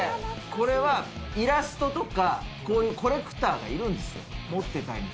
これはイラストとか、こういうコレクターがいるんですよ、持ってたいの。